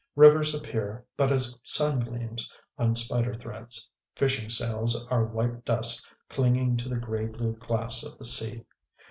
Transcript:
Rivers appear but as sun gleams on spider threads; fishing sails are white dust clinging to the grey blue glass of the sea.